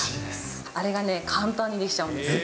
あれが簡単に出来ちゃうんです。